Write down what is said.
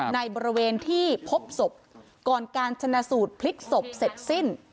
ในบริเวณที่พบศพก่อนการชนะสูตรพลิกศพเสร็จสิ้น